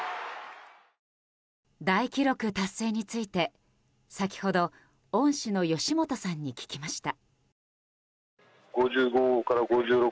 大記録達成について先ほど恩師の吉本さんに聞きました。